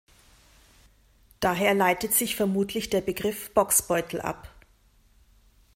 Daher leitet sich vermutlich der Begriff Bocksbeutel ab.